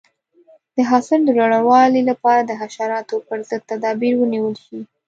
د حاصل د لوړوالي لپاره د حشراتو پر ضد تدابیر ونیول شي.